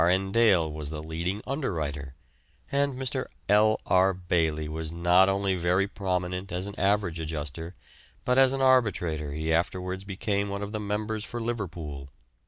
N. Dale was the leading underwriter; and Mr. L. R. Baily was not only very prominent as an average adjuster, but as an arbitrator he afterwards became one of the members for Liverpool.